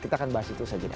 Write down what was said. kita akan bahas itu saja